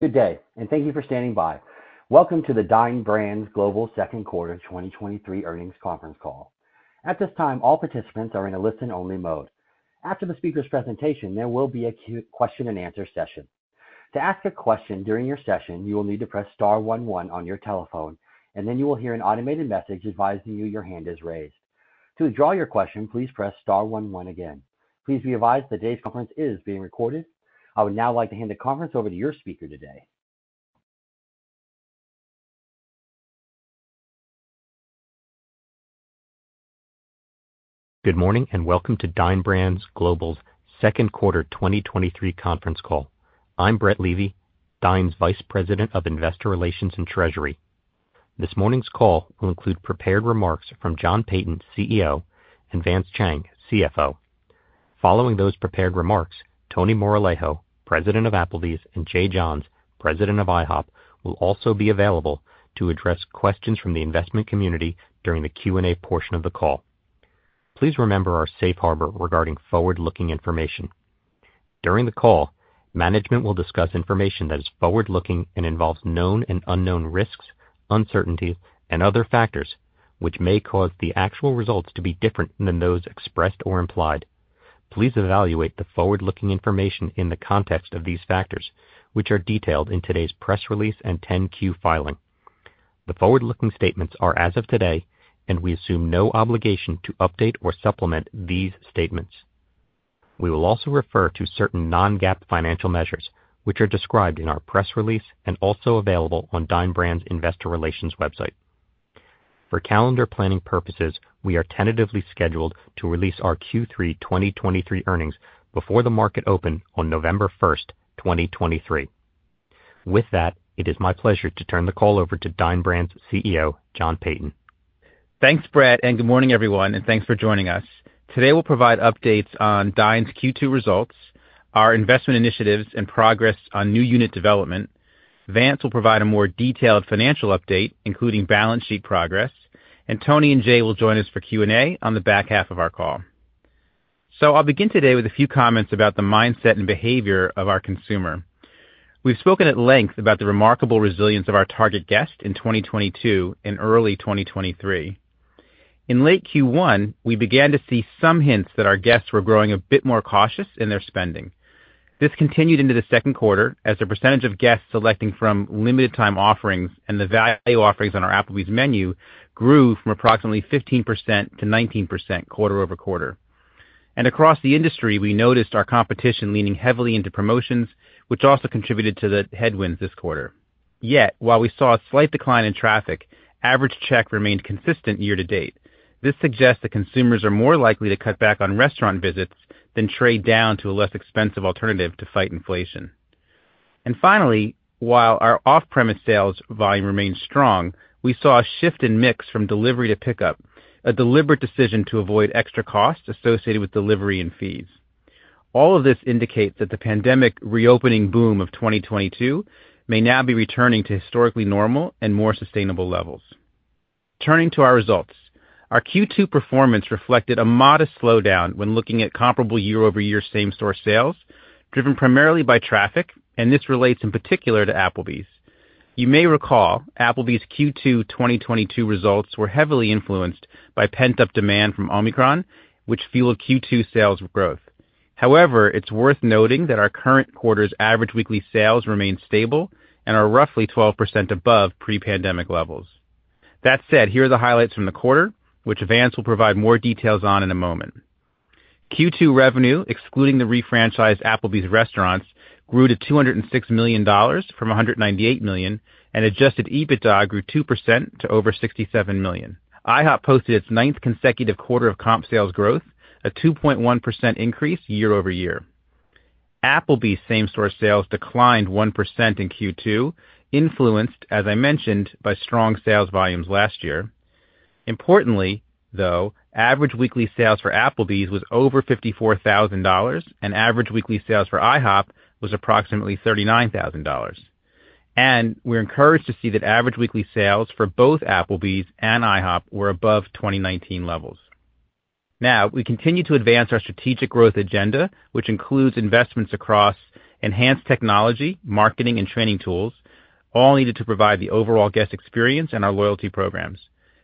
Good day, and thank you for standing by. Welcome to the Dine Brands Global Second Quarter 2023 Earnings Conference Call. At this time, all participants are in a listen-only mode. After the speaker's presentation, there will be a Question and Answer Session. To ask a question during your session, you will need to press star 11 on your telephone, and then you will hear an automated message advising you your hand is raised. To withdraw your question, please press star 11 again. Please be advised that today's conference is being recorded. I would now like to hand the conference over to your speaker today. Good morning, and welcome to Dine Brands Global's Second Quarter 2023 Conference Call. I'm Brett Levy, Dine's Vice President of Investor Relations and Treasury. This morning's call will include prepared remarks from John Peyton, CEO, and Vance Chang, CFO. Following those prepared remarks, Tony Moralejo, President of Applebee's, and Jay Johns, President of IHOP, will also be available to address questions from the investment community during the Q&A portion of the call. Please remember our safe harbor regarding forward-looking information. During the call, management will discuss information that is forward-looking and involves known and unknown risks, uncertainties, and other factors, which may cause the actual results to be different than those expressed or implied. Please evaluate the forward-looking information in the context of these factors, which are detailed in today's press release and 10-Q filing. The forward-looking statements are as of today. We assume no obligation to update or supplement these statements. We will also refer to certain non-GAAP financial measures, which are described in our press release and also available on Dine Brands Investor Relations website. For calendar planning purposes, we are tentatively scheduled to release our Q3 2023 earnings before the market open on November 1, 2023. With that, it is my pleasure to turn the call over to Dine Brands CEO, John Peyton. Thanks, Brett. Good morning, everyone, and thanks for joining us. Today, we'll provide updates on Dine's Q2 results, our investment initiatives, and progress on new unit development. Vance will provide a more detailed financial update, including balance sheet progress, and Tony and Jay will join us for Q&A on the back half of our call. I'll begin today with a few comments about the mindset and behavior of our consumer. We've spoken at length about the remarkable resilience of our target guest in 2022 and early 2023. In late Q1, we began to see some hints that our guests were growing a bit more cautious in their spending. This continued into the second quarter as the percentage of guests selecting from limited time offerings and the value offerings on our Applebee's menu grew from approximately 15% to 19% quarter-over-quarter. Across the industry, we noticed our competition leaning heavily into promotions, which also contributed to the headwinds this quarter. Yet, while we saw a slight decline in traffic, average check remained consistent year to date. This suggests that consumers are more likely to cut back on restaurant visits than trade down to a less expensive alternative to fight inflation. Finally, while our off-premise sales volume remained strong, we saw a shift in mix from delivery to pickup, a deliberate decision to avoid extra costs associated with delivery and fees. All of this indicates that the pandemic reopening boom of 2022 may now be returning to historically normal and more sustainable levels. Turning to our results, our Q2 performance reflected a modest slowdown when looking at comparable year-over-year same-store sales, driven primarily by traffic, and this relates in particular to Applebee's. You may recall Applebee's Q2 2022 results were heavily influenced by pent-up demand from Omicron, which fueled Q2 sales growth. However, it's worth noting that our current quarter's average weekly sales remain stable and are roughly 12% above pre-pandemic levels. That said, here are the highlights from the quarter, which Vance will provide more details on in a moment. Q2 revenue, excluding the refranchised Applebee's restaurants, grew to $206 million from $198 million, and adjusted EBITDA grew 2% to over $67 million. IHOP posted its ninth consecutive quarter of comp sales growth, a 2.1% increase year-over-year. Applebee's same-store sales declined 1% in Q2, influenced, as I mentioned, by strong sales volumes last year. Importantly, though, average weekly sales for Applebee's was over $54,000, and average weekly sales for IHOP was approximately $39,000. We're encouraged to see that average weekly sales for both Applebee's and IHOP were above 2019 levels. Now, we continue to advance our strategic growth agenda, which includes investments across enhanced technology, marketing and training tools, all needed to provide the overall guest experience and our loyalty programs.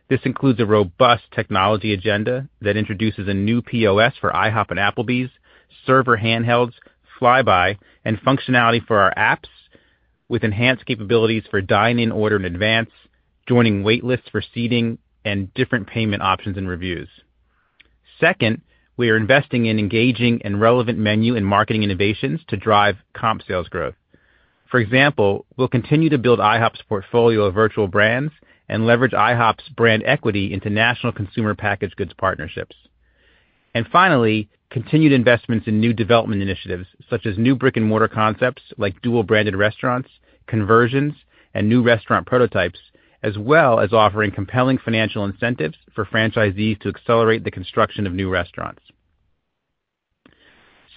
This includes a robust technology agenda that introduces a new POS for IHOP and Applebee's, server handhelds, Flybuy, and functionality for our apps, with enhanced capabilities for dine-in order in advance, joining wait lists for seating, and different payment options and reviews. Second, we are investing in engaging and relevant menu and marketing innovations to drive comp sales growth. For example, we'll continue to build IHOP's portfolio of virtual brands and leverage IHOP's brand equity into national consumer packaged goods partnerships. Finally, continued investments in new development initiatives, such as new brick-and-mortar concepts like dual-branded restaurants, conversions, and new restaurant prototypes, as well as offering compelling financial incentives for franchisees to accelerate the construction of new restaurants.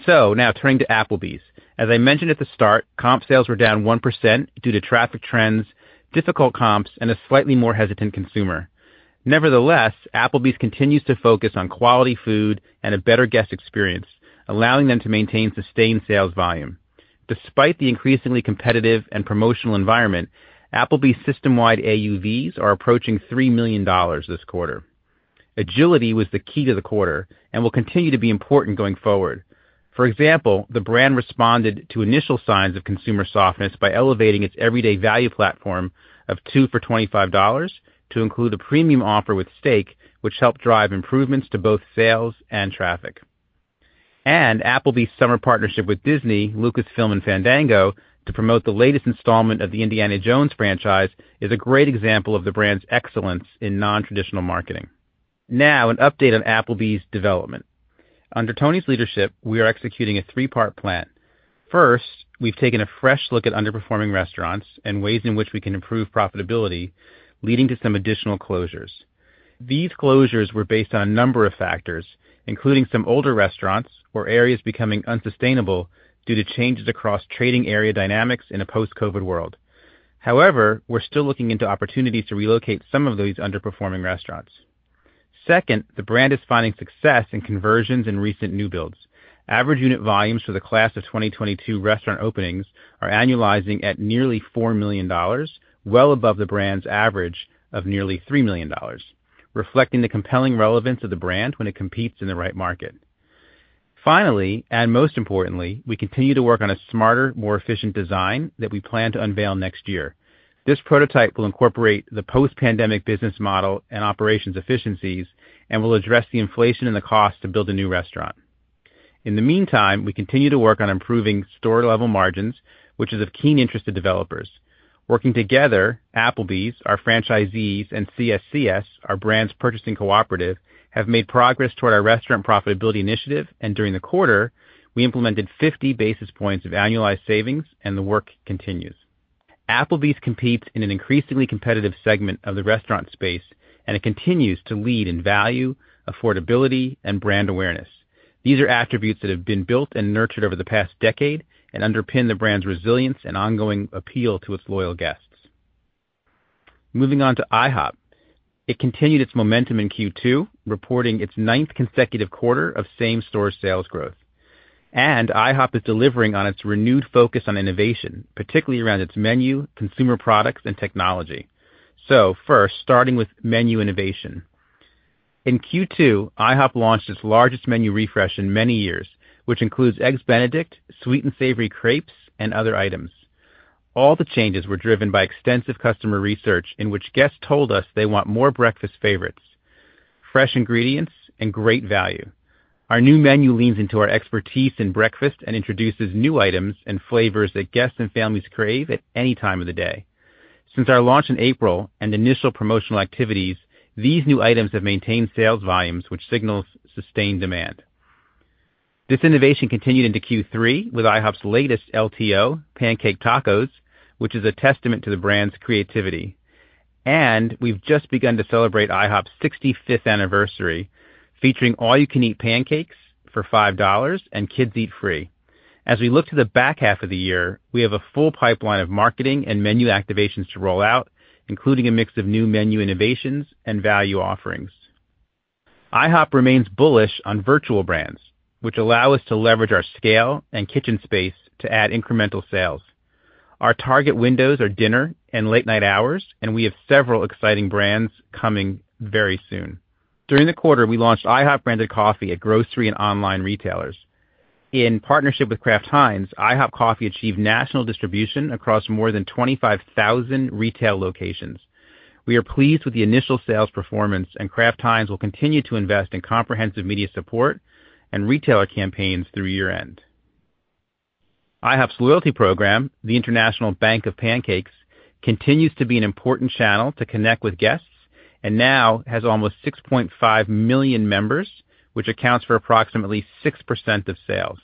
Now turning to Applebee's. As I mentioned at the start, comp sales were down 1% due to traffic trends, difficult comps, and a slightly more hesitant consumer. Nevertheless, Applebee's continues to focus on quality food and a better guest experience, allowing them to maintain sustained sales volume. Despite the increasingly competitive and promotional environment, Applebee's system-wide AUVs are approaching $3 million this quarter. Agility was the key to the quarter and will continue to be important going forward. For example, the brand responded to initial signs of consumer softness by elevating its everyday value platform of 2 for $25 to include a premium offer with steak, which helped drive improvements to both sales and traffic. Applebee's summer partnership with Disney, Lucasfilm, and Fandango to promote the latest installment of the Indiana Jones franchise, is a great example of the brand's excellence in non-traditional marketing. Now, an update on Applebee's development. Under Tony's leadership, we are executing a 3-part plan. First, we've taken a fresh look at underperforming restaurants and ways in which we can improve profitability, leading to some additional closures. These closures were based on a number of factors, including some older restaurants or areas becoming unsustainable due to changes across trading area dynamics in a post-COVID world. However, we're still looking into opportunities to relocate some of these underperforming restaurants. Second, the brand is finding success in conversions and recent new builds. Average unit volumes for the class of 2022 restaurant openings are annualizing at nearly $4 million, well above the brand's average of nearly $3 million, reflecting the compelling relevance of the brand when it competes in the right market. Finally, and most importantly, we continue to work on a smarter, more efficient design that we plan to unveil next year. This prototype will incorporate the post-pandemic business model and operations efficiencies and will address the inflation and the cost to build a new restaurant. In the meantime, we continue to work on improving store-level margins, which is of keen interest to developers. Working together, Applebee's, our franchisees, and CSCS, our brand's purchasing cooperative, have made progress toward our restaurant profitability initiative, and during the quarter, we implemented 50 basis points of annualized savings, and the work continues. Applebee's competes in an increasingly competitive segment of the restaurant space, and it continues to lead in value, affordability, and brand awareness. These are attributes that have been built and nurtured over the past decade and underpin the brand's resilience and ongoing appeal to its loyal guests. Moving on to IHOP. It continued its momentum in Q2, reporting its ninth consecutive quarter of same-store sales growth. IHOP is delivering on its renewed focus on innovation, particularly around its menu, consumer products, and technology. First, starting with menu innovation. In Q2, IHOP launched its largest menu refresh in many years, which includes eggs benedict, sweet and savory crepes, and other items. All the changes were driven by extensive customer research, in which guests told us they want more breakfast favorites, fresh ingredients, and great value. Our new menu leans into our expertise in breakfast and introduces new items and flavors that guests and families crave at any time of the day. Since our launch in April and initial promotional activities, these new items have maintained sales volumes, which siG&Als sustained demand. This innovation continued into Q3 with IHOP's latest LTO, Pancake Tacos, which is a testament to the brand's creativity. We've just begun to celebrate IHOP's 65th anniversary, featuring all-you-can-eat pancakes for $5 and kids eat free. As we look to the back half of the year, we have a full pipeline of marketing and menu activations to roll out, including a mix of new menu innovations and value offerings. IHOP remains bullish on virtual brands, which allow us to leverage our scale and kitchen space to add incremental sales. Our target windows are dinner and late night hours, and we have several exciting brands coming very soon. During the quarter, we launched IHOP-branded coffee at grocery and online retailers. In partnership with Kraft Heinz, IHOP Coffee achieved national distribution across more than 25,000 retail locations. We are pleased with the initial sales performance, and Kraft Heinz will continue to invest in comprehensive media support and retailer campaigns through year-end. IHOP's loyalty program, the International Bank of Pancakes, continues to be an important channel to connect with guests and now has almost 6.5 million members, which accounts for approximately 6% of sales.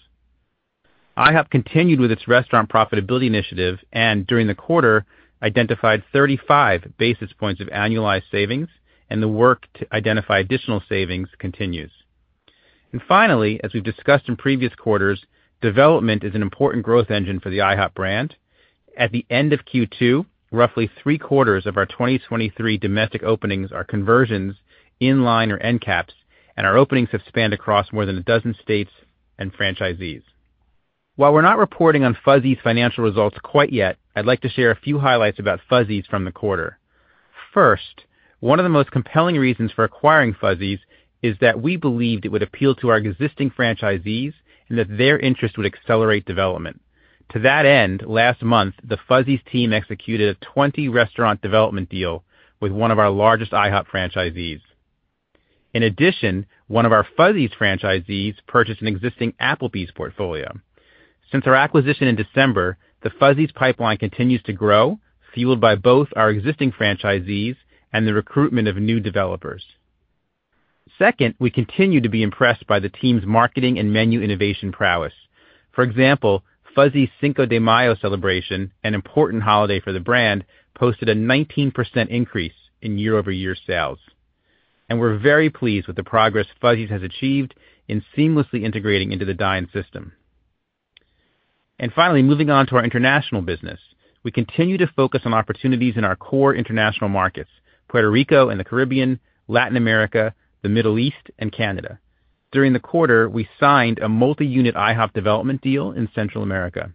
IHOP continued with its restaurant profitability initiative and, during the quarter, identified 35 basis points of annualized savings, and the work to identify additional savings continues. Finally, as we've discussed in previous quarters, development is an important growth engine for the IHOP brand. At the end of Q2, roughly three-quarters of our 2023 domestic openings are conversions, in-line, or end caps, and our openings have spanned across more than a dozen states and franchisees. While we're not reporting on Fuzzy's financial results quite yet, I'd like to share a few highlights about Fuzzy's from the quarter. First, one of the most compelling reasons for acquiring Fuzzy's is that we believed it would appeal to our existing franchisees and that their interest would accelerate development. To that end, last month, the Fuzzy's team executed a 20 restaurant development deal with one of our largest IHOP franchisees. In addition, one of our Fuzzy's franchisees purchased an existing Applebee's portfolio. Since our acquisition in December, the Fuzzy's pipeline continues to grow, fueled by both our existing franchisees and the recruitment of new developers. Second, we continue to be impressed by the team's marketing and menu innovation prowess. For example, Fuzzy's Cinco de Mayo celebration, an important holiday for the brand, posted a 19% increase in year-over-year sales. We're very pleased with the progress Fuzzy's has achieved in seamlessly integrating into the Dine system. Finally, moving on to our international business. We continue to focus on opportunities in our core international markets, Puerto Rico and the Caribbean, Latin America, the Middle East, and Canada. During the quarter, we signed a multi-unit IHOP development deal in Central America.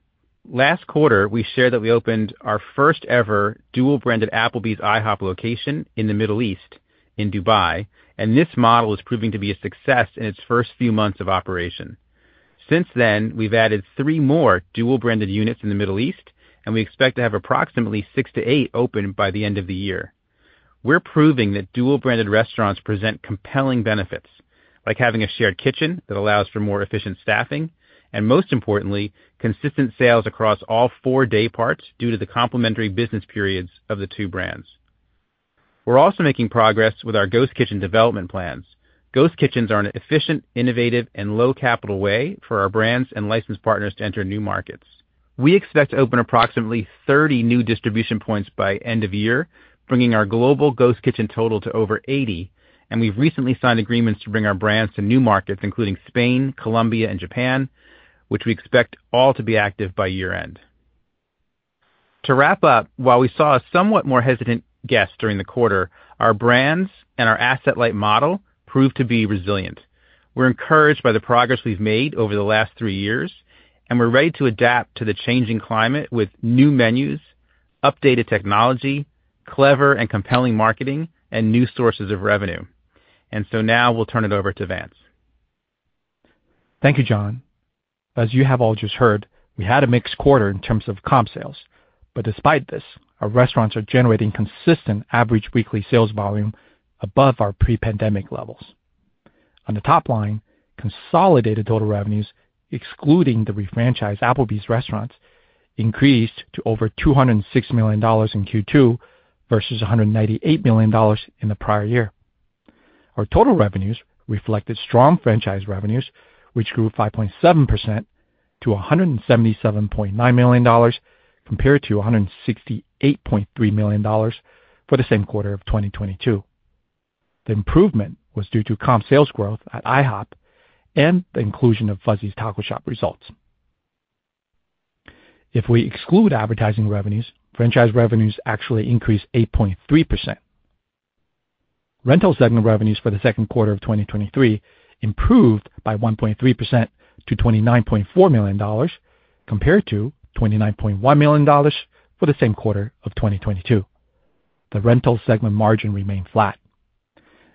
Last quarter, we shared that we opened our first-ever dual-branded Applebee's IHOP location in the Middle East in Dubai, and this model is proving to be a success in its first few months of operation. Since then, we've added three more dual-branded units in the Middle East, and we expect to have approximately 6-8 open by the end of the year. We're proving that dual-branded restaurants present compelling benefits, like having a shared kitchen that allows for more efficient staffing, and most importantly, consistent sales across all four day parts due to the complementary business periods of the two brands. We're also making progress with our ghost kitchen development plans. Ghost kitchens are an efficient, innovative, and low-capital way for our brands and licensed partners to enter new markets. We expect to open approximately 30 new distribution points by end of year, bringing our global ghost kitchen total to over 80. We've recently signed agreements to bring our brands to new markets, including Spain, Colombia, and Japan, which we expect all to be active by year-end. To wrap up, while we saw a somewhat more hesitant guest during the quarter, our brands and our asset-light model proved to be resilient. We're encouraged by the progress we've made over the last three years. We're ready to adapt to the changing climate with new menus, updated technology, clever and compelling marketing, and new sources of revenue. Now we'll turn it over to Vance. Thank you, John. As you have all just heard, we had a mixed quarter in terms of comp sales. Despite this, our restaurants are generating consistent average weekly sales volume above our pre-pandemic levels. On the top line, consolidated total revenues, excluding the refranchised Applebee's restaurants, increased to over $206 million in Q2 versus $198 million in the prior year. Our total revenues reflected strong franchise revenues, which grew 5.7% to $177.9 million, compared to $168.3 million for the same quarter of 2022. The improvement was due to comp sales growth at IHOP and the inclusion of Fuzzy's Taco Shop results. If we exclude advertising revenues, franchise revenues actually increased 8.3%. Rental segment revenues for the second quarter of 2023 improved by 1.3% to $29.4 million, compared to $29.1 million for the same quarter of 2022. The rental segment margin remained flat.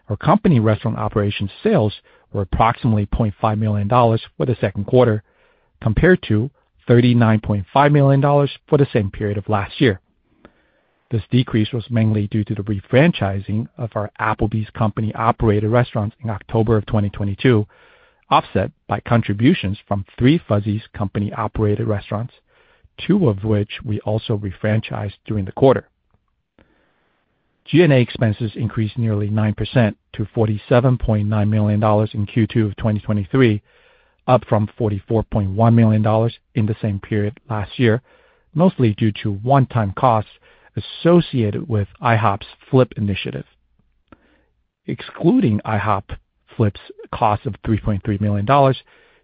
Our company restaurant operations sales were approximately $0.5 million for the second quarter, compared to $39.5 million for the same period of last year. This decrease was mainly due to the refranchising of our Applebee's company-operated restaurants in October of 2022, offset by contributions from 3 Fuzzy's company-operated restaurants, 2 of which we also refranchised during the quarter. G&A expenses increased nearly 9% to $47.9 million in Q2 of 2023, up from $44.1 million in the same period last year, mostly due to one-time costs associated with IHOP's Flip initiative. Excluding IHOP Flip's cost of $3.3 million,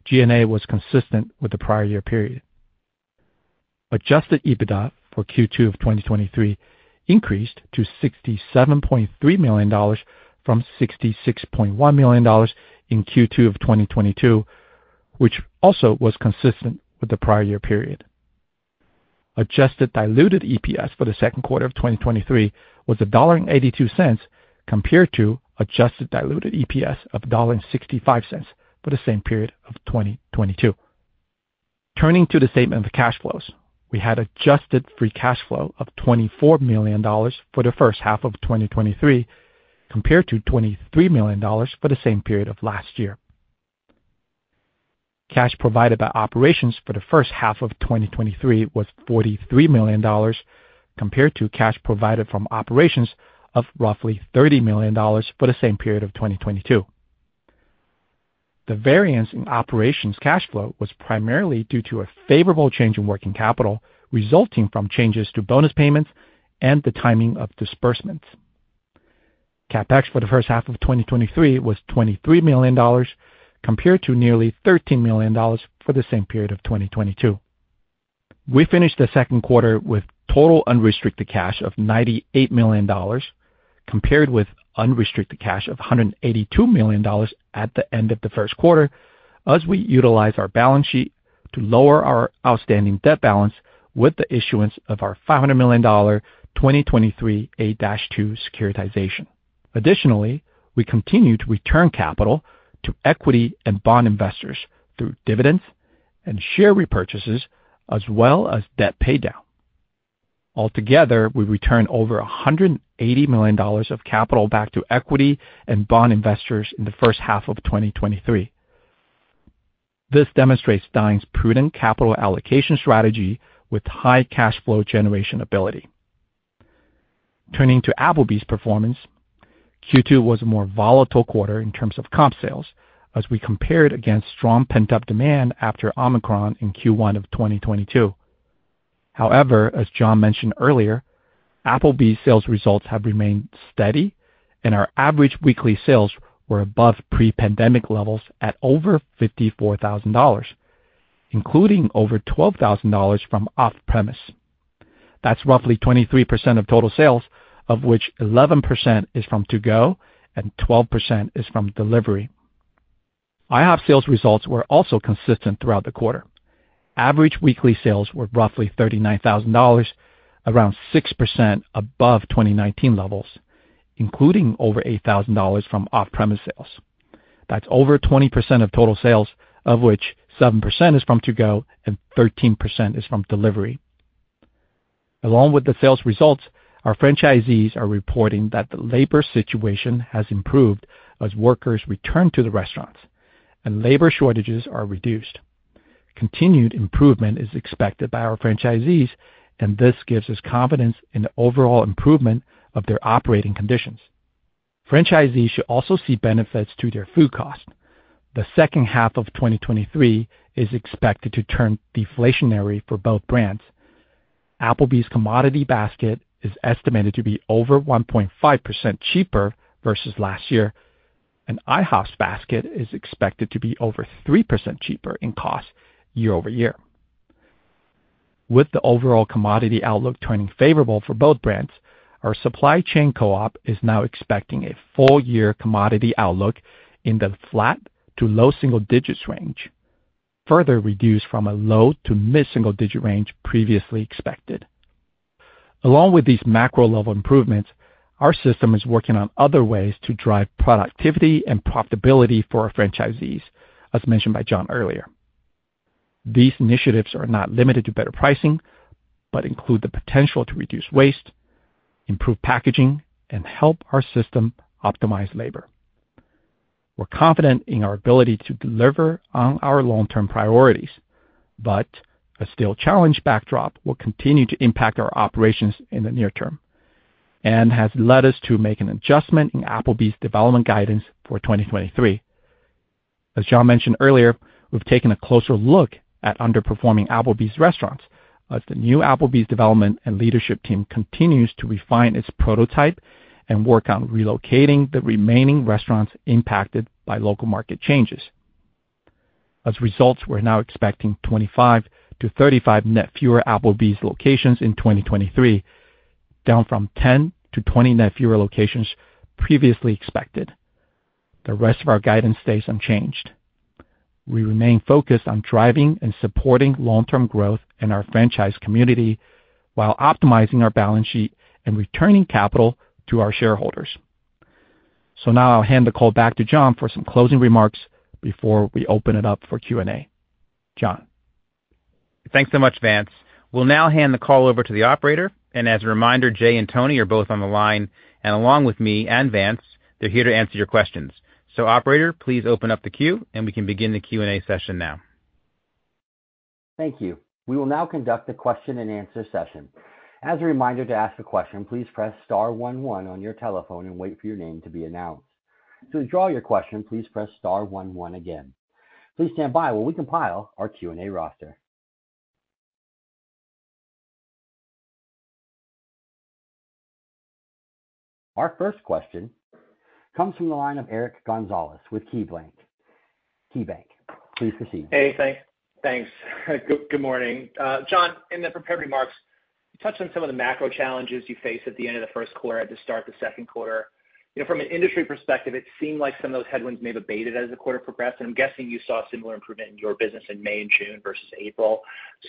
G&A was consistent with the prior year period. Adjusted EBITDA for Q2 of 2023 increased to $67.3 million from $66.1 million in Q2 of 2022, which also was consistent with the prior year period. Adjusted diluted EPS for the second quarter of 2023 was $1.82, compared to adjusted diluted EPS of $1.65 for the same period of 2022. Turning to the statement of cash flows. We had adjusted free cash flow of $24 million for the first half of 2023, compared to $23 million for the same period of last year. Cash provided by operations for the first half of 2023 was $43 million, compared to cash provided from operations of roughly $30 million for the same period of 2022. The variance in operations cash flow was primarily due to a favorable change in working capital, resulting from changes to bonus payments and the timing of disbursements. CapEx for the first half of 2023 was $23 million, compared to nearly $13 million for the same period of 2022. We finished the second quarter with total unrestricted cash of $98 million, compared with unrestricted cash of $182 million at the end of the first quarter, as we utilized our balance sheet to lower our outstanding debt balance with the issuance of our $500 million 2023 A-2 securitization. Additionally, we continued to return capital to equity and bond investors through dividends and share repurchases, as well as debt paydown. Altogether, we returned over $180 million of capital back to equity and bond investors in the first half of 2023. This demonstrates Dine's prudent capital allocation strategy with high cash flow generation ability. Turning to Applebee's performance, Q2 was a more volatile quarter in terms of comp sales, as we compared against strong pent-up demand after Omicron in Q1 of 2022. However, as John mentioned earlier, Applebee's sales results have remained steady, and our average weekly sales were above pre-pandemic levels at over $54,000, including over $12,000 from off-premise. That's roughly 23% of total sales, of which 11% is from to-go and 12% is from delivery. IHOP sales results were also consistent throughout the quarter. Average weekly sales were roughly $39,000, around 6% above 2019 levels, including over $8,000 from off-premise sales. That's over 20% of total sales, of which 7% is from to-go and 13% is from delivery. Along with the sales results, our franchisees are reporting that the labor situation has improved as workers return to the restaurants and labor shortages are reduced. Continued improvement is expected by our franchisees, and this gives us confidence in the overall improvement of their operating conditions. Franchisees should also see benefits to their food costs. The second half of 2023 is expected to turn deflationary for both brands. Applebee's commodity basket is estimated to be over 1.5% cheaper versus last year, and IHOP's basket is expected to be over 3% cheaper in cost year-over-year. With the overall commodity outlook turning favorable for both brands, our supply chain co-op is now expecting a full year commodity outlook in the flat-low single digits range, further reduced from a low-mid single digits range previously expected. Along with these macro-level improvements, our system is working on other ways to drive productivity and profitability for our franchisees, as mentioned by John earlier. These initiatives are not limited to better pricing, but include the potential to reduce waste, improve packaging, and help our system optimize labor. We're confident in our ability to deliver on our long-term priorities, but a still challenged backdrop will continue to impact our operations in the near term and has led us to make an adjustment in Applebee's development guidance for 2023. As John mentioned earlier, we've taken a closer look at underperforming Applebee's restaurants as the new Applebee's development and leadership team continues to refine its prototype and work on relocating the remaining restaurants impacted by local market changes. As a result, we're now expecting 25-35 net fewer Applebee's locations in 2023, down from 10-20 net fewer locations previously expected. The rest of our guidance stays unchanged. We remain focused on driving and supporting long-term growth in our franchise community, while optimizing our balance sheet and returning capital to our shareholders. Now I'll hand the call back to John for some closing remarks before we open it up for Q&A. John? Thanks so much, Vance. We'll now hand the call over to the operator, and as a reminder, Jay and Tony are both on the line, and along with me and Vance, they're here to answer your questions. Operator, please open up the queue, and we can begin the Q&A session now. Thank you. We will now conduct a Question and Answer Session. As a reminder, to ask a question, please press star 11 on your telephone and wait for your name to be announced. To withdraw your question, please press star 11 again. Please stand by while we compile our Q&A roster. Our first question comes from the line of Eric Gonzalez with Key Bank. Please proceed. Hey, thanks. Thanks. Good, good morning. John, in the prepared remarks, you touched on some of the macro challenges you faced at the end of the first quarter and to start the second quarter. You know, from an industry perspective, it seemed like some of those headwinds may have abated as the quarter progressed, and I'm guessing you saw a similar improvement in your business in May and June versus April.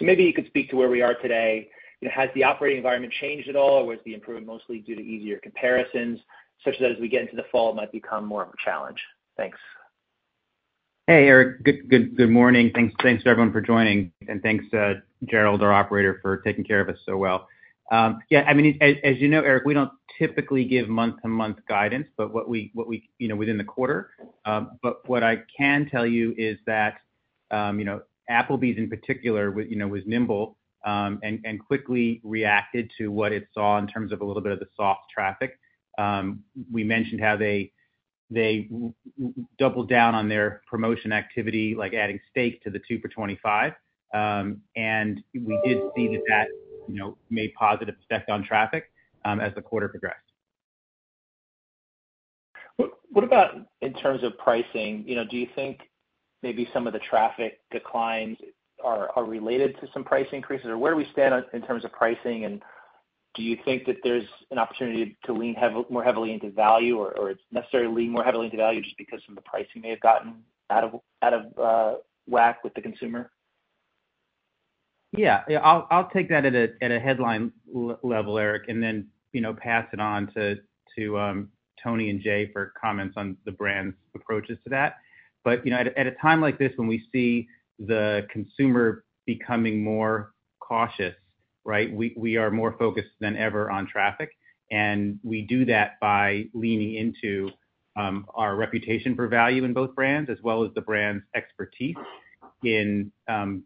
Maybe you could speak to where we are today. You know, has the operating environment changed at all, or was the improvement mostly due to easier comparisons, such that as we get into the fall, it might become more of a challenge? Thanks. Hey, Eric. Good, good, good morning. Thanks, thanks to everyone for joining, and thanks to Gerald, our operator, for taking care of us so well. Yeah, I mean, as, as you know, Eric, we don't typically give month-to-month guidance, but what we, what we, you know, within the quarter. What I can tell you is that, you know, Applebee's in particular, you know, was nimble, and quickly reacted to what it saw in terms of a little bit of the soft traffic. We mentioned how they doubled down on their promotion activity, like adding steak to the 2 for 25. We did see that that, you know, made positive effect on traffic, as the quarter progressed. What about in terms of pricing? You know, do you think maybe some of the traffic declines are related to some price increases, or where do we stand on, in terms of pricing, and do you think that there's an opportunity to lean more heavily into value, or, or it's necessarily lean more heavily into value just because some of the pricing may have gotten out of whack with the consumer? Yeah. Yeah, I'll, I'll take that at a headline level, Eric, and then, you know, pass it on to Tony and Jay for comments on the brand's approaches to that. You know, at a time like this, when we see the consumer becoming more cautious, right? We, we are more focused than ever on traffic, and we do that by leaning into our reputation for value in both brands, as well as the brands' expertise in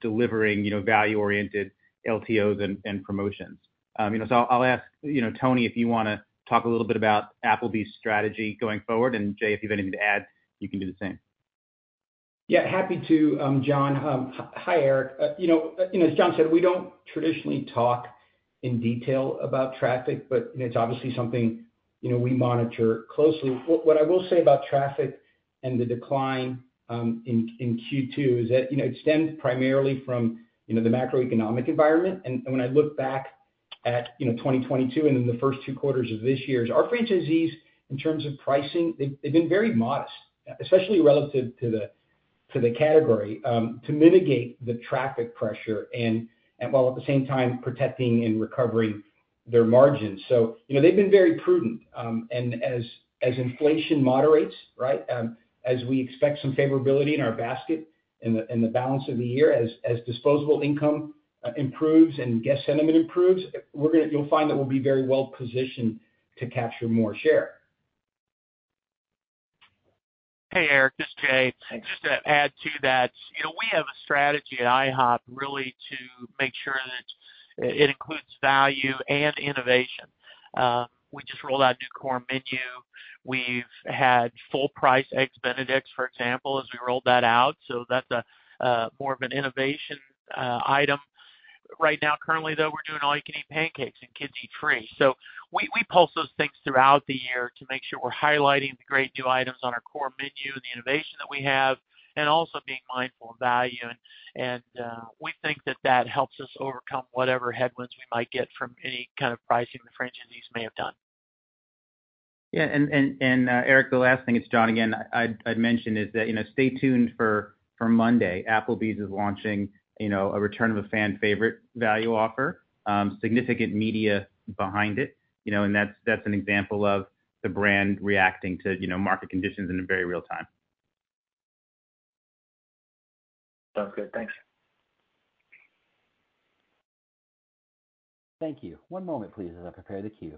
delivering, you know, value-oriented LTOs and promotions. You know, so I'll ask, you know, Tony, if you wanna talk a little bit about Applebee's strategy going forward, and Jay, if you have anything to add, you can do the same. ... Yeah, happy to, John. Hi, Eric. You know, as John said, we don't traditionally talk in detail about traffic, but, you know, it's obviously something, you know, we monitor closely. What I will say about traffic and the decline in Q2 is that, you know, it stemmed primarily from, you know, the macroeconomic environment. When I look back at, you know, 2022, and then the first two quarters of this year, our franchisees, in terms of pricing, they've, they've been very modest, especially relative to the, to the category, to mitigate the traffic pressure while at the same time protecting and recovering their margins. You know, they've been very prudent. As, as inflation moderates, right, as we expect some favorability in our basket and the, and the balance of the year, as, as disposable income improves and guest sentiment improves, you'll find that we'll be very well positioned to capture more share. Hey, Eric, this is Jay. Hey. Just to add to that, you know, we have a strategy at IHOP really to make sure that it includes value and innovation. We just rolled out a new core menu. We've had full price Eggs Benedict, for example, as we rolled that out, so that's a more of an innovation item. Right now, currently, though, we're doing All You Can Eat pancakes and Kids Eat Free. We, we pulse those things throughout the year to make sure we're highlighting the great new items on our core menu and the innovation that we have, and also being mindful of value. We think that that helps us overcome whatever headwinds we might get from any kind of pricing the franchisees may have done. Yeah, and Eric, the last thing, it's John again, I'd mention is that, you know, stay tuned for Monday. Applebee's is launching, you know, a return of a fan favorite value offer, significant media behind it, you know, and that's, that's an example of the brand reacting to, you know, market conditions in a very real time. Sounds good. Thanks. Thank you. One moment, please, as I prepare the queue.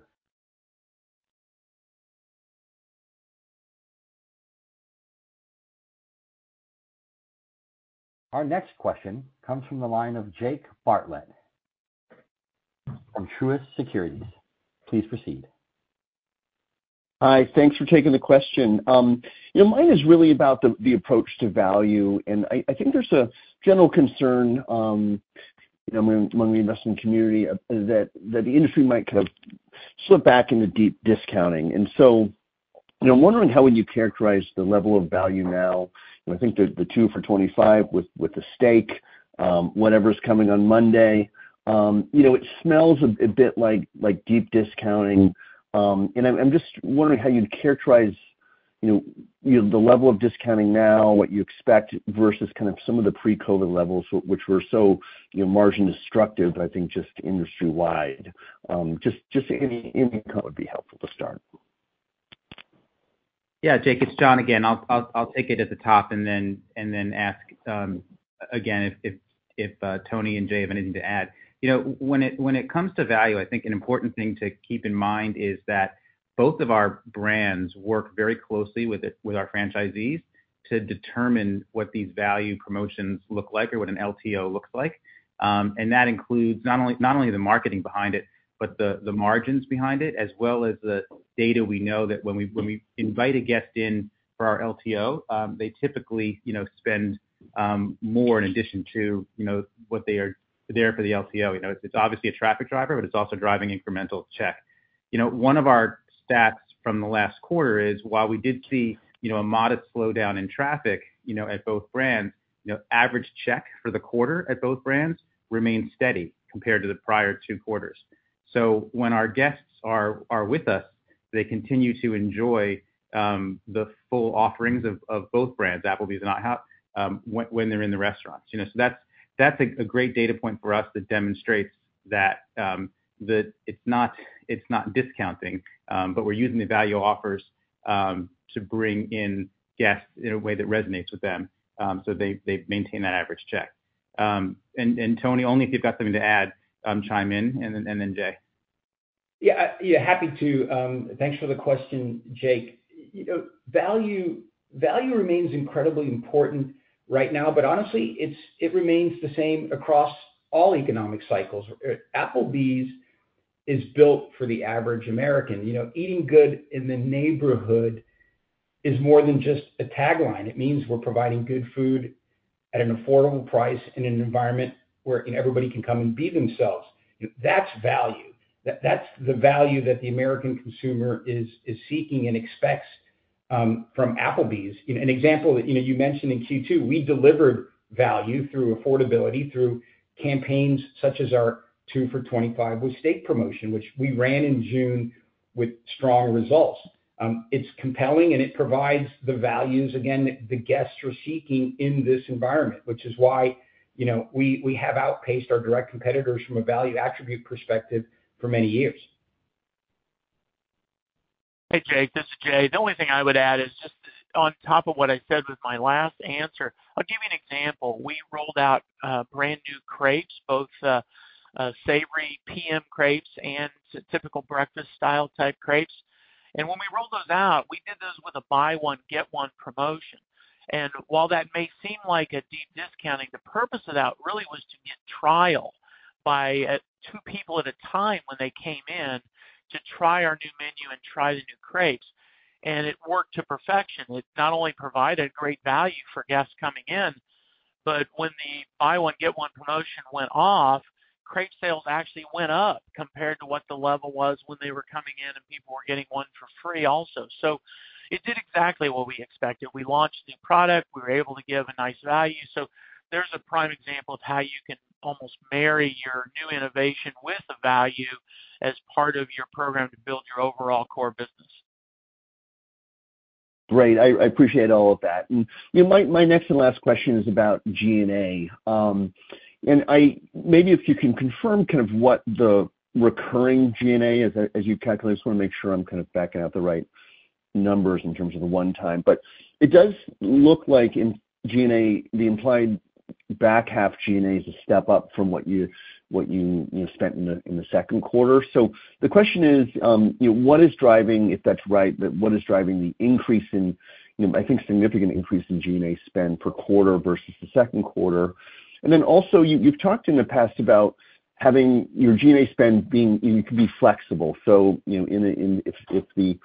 Our next question comes from the line of Jake Bartlett from Truist Securities. Please proceed. Hi, thanks for taking the question. You know, mine is really about the, the approach to value, and I, I think there's a general concern, you know, among, among the investing community, that, that the industry might kind of slip back into deep discounting. So, you know, I'm wondering, how would you characterize the level of value now? I think the 2 for $25 with, with the steak, whatever's coming on Monday, you know, it smells a bit like, like deep discounting. I'm just wondering how you'd characterize, you know, you know, the level of discounting now, what you expect versus kind of some of the pre-COVID levels, which were so, you know, margin destructive, I think, just industry wide. Just any would be helpful to start? Yeah, Jake, it's John again. I'll, I'll, I'll take it at the top and then, and then ask again, if, if, if Tony and Jay have anything to add. You know, when it, when it comes to value, I think an important thing to keep in mind is that both of our brands work very closely with our franchisees to determine what these value promotions look like or what an LTO looks like. That includes not only, not only the marketing behind it, but the, the margins behind it, as well as the data we know that when we, when we invite a guest in for our LTO, they typically, you know, spend more in addition to, you know, what they are there for the LTO. You know, it's obviously a traffic driver, but it's also driving incremental check. You know, 1 of our stats from the last quarter is, while we did see, you know, a modest slowdown in traffic, you know, at both brands, you know, average check for the quarter at both brands remained steady compared to the prior 2 quarters. So when our guests are, are with us, they continue to enjoy the full offerings of, of both brands, Applebee's and IHOP, when, when they're in the restaurants. You know, so that's, that's a, a great data point for us that demonstrates that it's not, it's not discounting, but we're using the value offers to bring in guests in a way that resonates with them, so they, they maintain that average check. And, and Tony, only if you've got something to add, chime in, and then, and then Jay. Yeah, yeah, happy to. Thanks for the question, Jake. You know, value, value remains incredibly important right now, but honestly, it's it remains the same across all economic cycles. Applebee's is built for the average American. You know, eating good in the neighborhood is more than just a tagline. It means we're providing good food at an affordable price in an environment where, you know, everybody can come and be themselves. That's value. That's the value that the American consumer is, is seeking and expects from Applebee's. You know, an example that, you know, you mentioned in Q2, we delivered value through affordability, through campaigns such as our 2 for $25 with steak promotion, which we ran in June with strong results. It's compelling, and it provides the values, again, that the guests are seeking in this environment, which is why, you know, we, we have outpaced our direct competitors from a value attribute perspective for many years. Hey, Jake, this is Jay. The only thing I would add is just on top of what I said with my last answer. I'll give you an example. We rolled out, brand-new crepes, both, savory PM crepes and typical breakfast style type crepes. When we rolled those out, we did those with a buy 1, get 1 promotion. While that may seem like a deep discounting, the purpose of that really was to get trial by, 2 people at a time when they came in to try our new menu and try the new crepes, and it worked to perfection. It not only provided great value for guests coming in, but when the buy-1-get-1 promotion went off, crepe sales actually went up compared to what the level was when they were coming in and people were getting 1 for free also. It did exactly what we expected. We launched the product, we were able to give a nice value. There's a prime example of how you can almost marry your new innovation with a value as part of your program to build your overall core business. Great. I, I appreciate all of that. You know, my, my next and last question is about G&A. Maybe if you can confirm kind of what the recurring G&A as, as you calculate, I just wanna make sure I'm kind of backing out the right numbers in terms of the one time. It does look like in G&A, the implied back half G&A is a step up from what you, what you, you spent in the, in the second quarter. The question is, you know, what is driving, if that's right, but what is driving the increase in, you know, I think, significant increase in G&A spend per quarter versus the second quarter? Then also, you, you've talked in the past about having your G&A spend being, you know, can be flexible. you know, in a, if, if the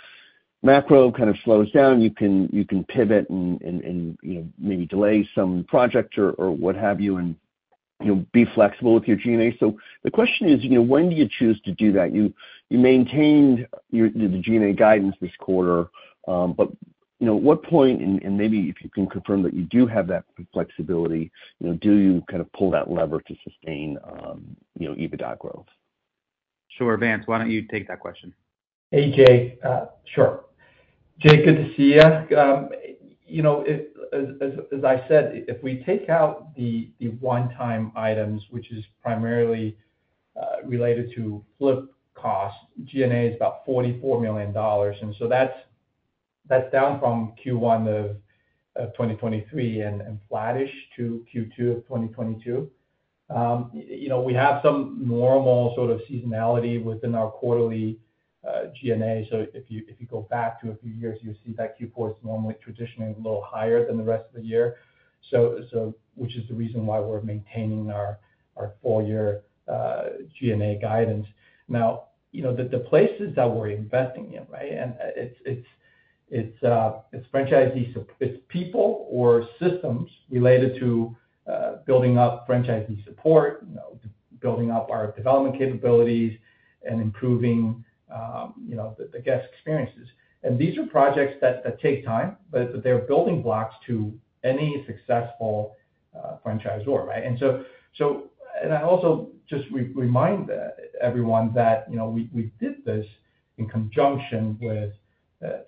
macro kind of slows down, you can, you can pivot and, and, and, you know, maybe delay some projects or, or what have you, and, you know, be flexible with your G&A. So the question is, you know, when do you choose to do that? You, you maintained your, the G&A guidance this quarter, but, you know, at what point, and, and maybe if you can confirm that you do have that flexibility, you know, do you kind of pull that lever to sustain, you know, EBITDA growth? Sure, Vance, why don't you take that question? Hey, Jay. Sure. Jay, good to see you. You know, as, as, as I said, if we take out the, the one-time items, which is primarily related to flip costs, G&A is about $44 million. That's down from Q1 of twenty twenty-three and flattish to Q2 of twenty twenty-two. You know, we have some normal sort of seasonality within our quarterly G&A. If you go back to a few years, you'll see that Q4 is normally traditionally a little higher than the rest of the year. Which is the reason why we're maintaining our, our full year G&A guidance. Now, you know, the, the places that we're investing in, right? It's, it's, it's, it's people or systems related to building up franchisee support, you know, building up our development capabilities and improving, you know, the guest experiences. These are projects that, that take time, but they're building blocks to any successful franchisor, right? I also just remind everyone that, you know, we, we did this in conjunction with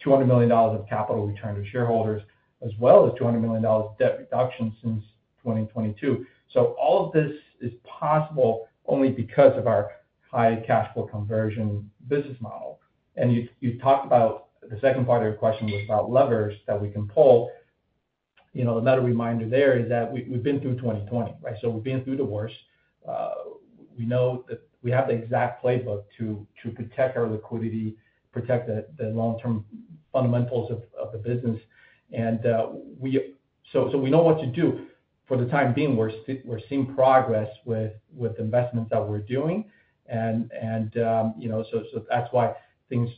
$200 million of capital returned to shareholders, as well as $200 million of debt reduction since 2022. All of this is possible only because of our high cash flow conversion business model. You, you talked about the second part of your question was about levers that we can pull. You know, another reminder there is that we've been through 2020, right? We've been through the worst. We know that we have the exact playbook to, to protect our liquidity, protect the, the long-term fundamentals of, of the business, and we. We know what to do. For the time being, we're seeing progress with, with investments that we're doing, and, and, you know, that's why things,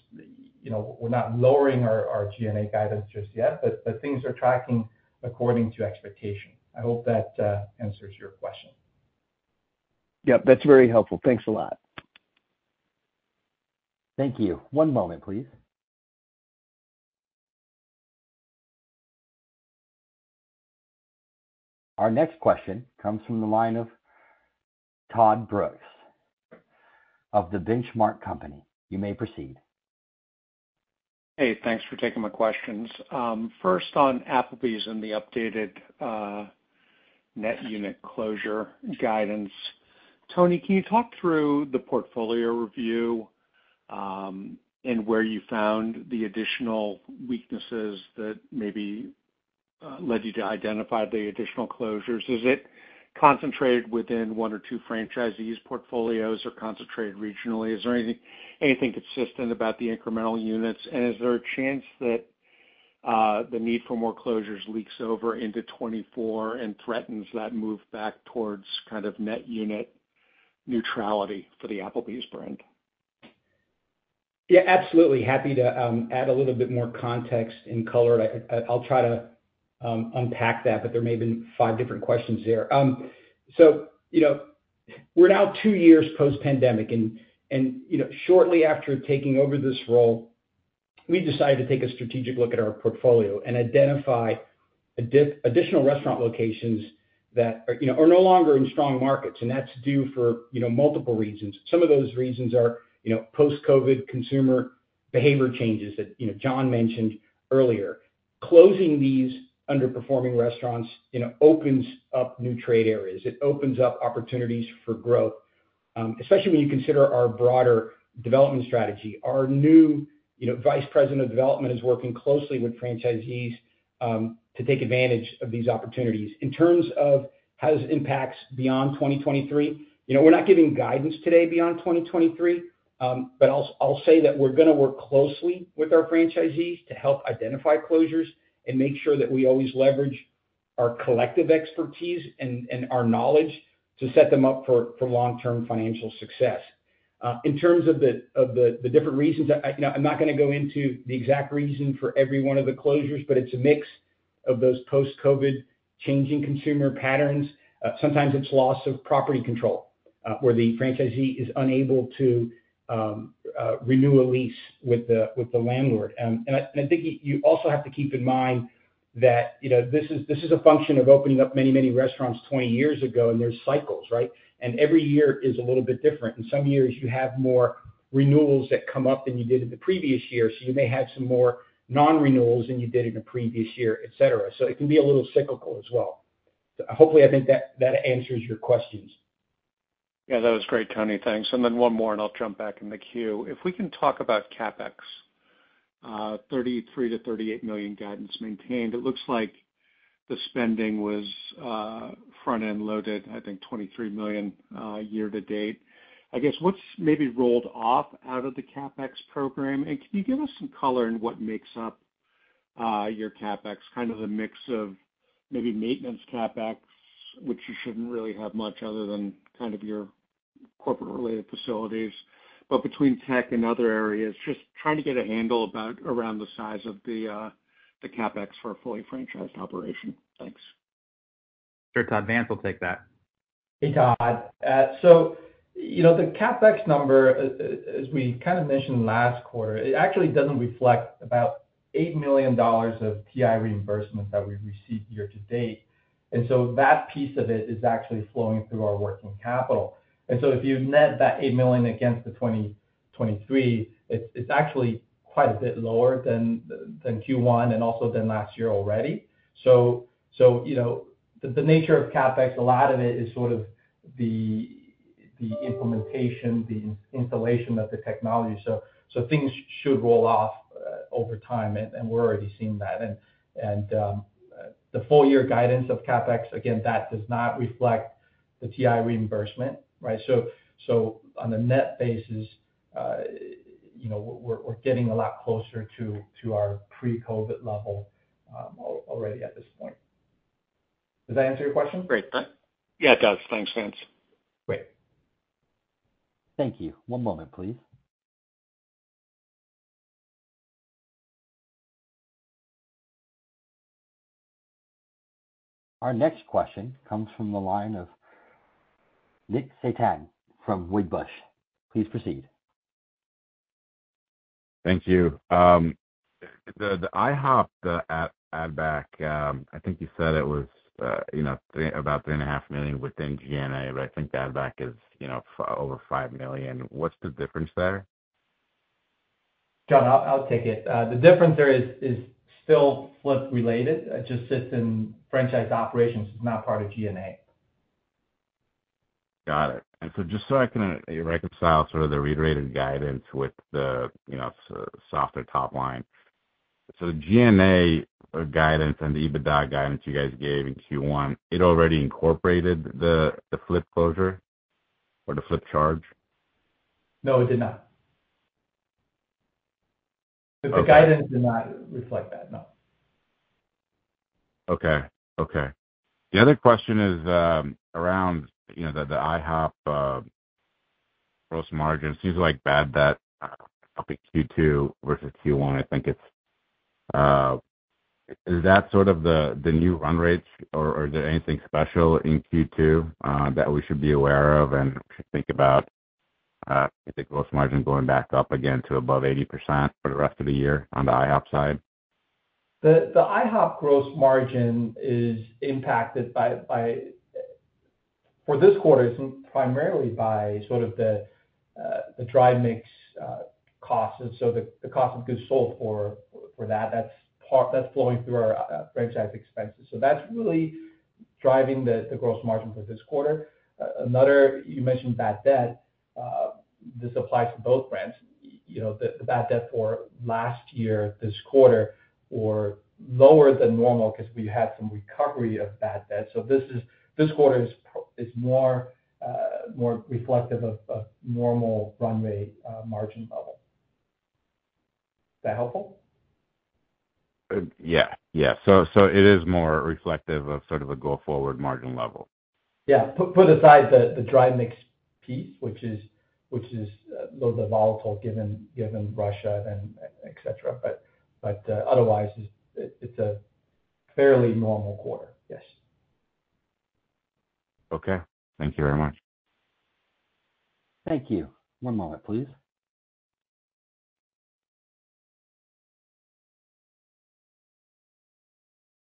you know, we're not lowering our, our G&A guidance just yet, but things are tracking according to expectation. I hope that answers your question. Yep, that's very helpful. Thanks a lot. Thank you. One moment, please. Our next question comes from the line of Todd Brooks of the Benchmark Company. You may proceed. Hey, thanks for taking my questions. First, on Applebee's and the updated, net unit closure guidance. Tony, can you talk through the portfolio review, and where you found the additional weaknesses that maybe, led you to identify the additional closures? Is it concentrated within 1 or 2 franchisees' portfolios or concentrated regionally? Is there anything, anything consistent about the incremental units, and is there a chance that, the need for more closures leaks over into 2024 and threatens that move back towards kind of net unit neutrality for the Applebee's brand? Yeah, absolutely. Happy to add a little bit more context and color. I'll try to unpack that, but there may have been five different questions there. So, you know, we're now two years post-pandemic and, you know, shortly after taking over this role, we decided to take a strategic look at our portfolio and identify additional restaurant locations that are, you know, are no longer in strong markets, and that's due for, you know, multiple reasons. Some of those reasons are, you know, post-COVID consumer behavior changes that, you know, John mentioned earlier. Closing these underperforming restaurants, you know, opens up new trade areas. It opens up opportunities for growth, especially when you consider our broader development strategy. Our new, you know, vice president of development is working closely with franchisees to take advantage of these opportunities. In terms of how this impacts beyond 2023, you know, we're not giving guidance today beyond 2023, but I'll, I'll say that we're gonna work closely with our franchisees to help identify closures and make sure that we always leverage our collective expertise and, and our knowledge to set them up for, for long-term financial success. In terms of the, of the, the different reasons, I, I, I'm not gonna go into the exact reason for every 1 of the closures, but it's a mix of those post-COVID changing consumer patterns. Sometimes it's loss of property control, where the franchisee is unable to renew a lease with the, with the landlord. I, and I think you, you also have to keep in mind that, you know, this is, this is a function of opening up many, many restaurants 20 years ago, and there's cycles, right? Every year is a little bit different. In some years, you have more renewals that come up than you did in the previous year, so you may have some more non-renewals than you did in the previous year, et cetera. It can be a little cyclical as well. Hopefully, I think that, that answers your questions. Yeah, that was great, Tony. Thanks. One more, and I'll jump back in the queue. If we can talk about CapEx, $33 million-$38 million guidance maintained. It looks like the spending was front-end loaded, I think $23 million year to date. I guess, what's maybe rolled off out of the CapEx program? Can you give us some color in what makes up your CapEx, kind of the mix of maybe maintenance CapEx, which you shouldn't really have much other than kind of your corporate-related facilities, but between tech and other areas, just trying to get a handle about around the size of the CapEx for a fully franchised operation. Thanks. Sure. Todd Vance will take that. Hey, Todd. You know, the CapEx number, as, as, as we kind of mentioned last quarter, it actually doesn't reflect about $8 million of TI reimbursement that we've received year to date. That piece of it is actually flowing through our working capital. If you net that $8 million against the 2023, it's, it's actually quite a bit lower than, than Q1 and also than 2022 already. You know, the, the nature of CapEx, a lot of it is sort of the, the implementation, the installation of the technology. Things should roll off over time, and we're already seeing that. The full year guidance of CapEx, again, that does not reflect the TI reimbursement, right? On a net basis, you know, we're getting a lot closer to our pre-COVID level already at this point. Does that answer your question? Great. Yeah, it does. Thanks, Vance. Great. Thank you. One moment, please. Our next question comes from the line of Nick Setyan from Wedbush. Please proceed. Thank you. The IHOP, the add back, I think you said it was about $3.5 million within G&A, but I think the add back is over $5 million. What's the difference there? John, I'll take it. The difference there is still flip related. It just sits in franchise operations. It's not part of G&A. Got it. Just so I can reconcile sort of the reiterated guidance with the, you know, softer top line. The G&A guidance and the EBITDA guidance you guys gave in Q1, it already incorporated the, the flip closure or the flip charge? No, it did not. Okay. The guidance did not reflect that, no. Okay, okay. The other question is, around, you know, the, the IHOP, gross margin. Seems like bad that, up in Q2 versus Q1, I think it's... Is that sort of the, the new run rates, or, or is there anything special in Q2, that we should be aware of and should think about, I think gross margin going back up again to above 80% for the rest of the year on the IHOP side? The IHOP gross margin is impacted by, for this quarter, it's primarily by sort of the dry mix costs. The cost of goods sold for that, that's flowing through our franchise expenses. That's really driving the gross margin for this quarter. Another, you mentioned bad debt. This applies to both brands. You know, the bad debt for last year, this quarter, were lower than normal because we had some recovery of bad debt. This quarter is more reflective of normal run rate margin level. Is that helpful? Yeah, yeah. So, so it is more reflective of sort of a go-forward margin level? Yeah. put aside the, the drive mix piece, which is, which is, a little bit volatile, given, given Russia and, et cetera. Otherwise, it's, it's a fairly normal quarter. Yes. Okay. Thank you very much. Thank you. One moment, please.